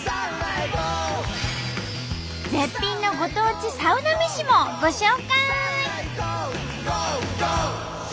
絶品のご当地サウナ飯もご紹介！